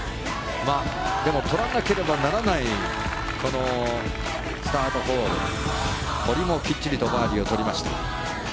でも、取らなければならないスタートホール堀もきっちりとバーディーを取りました。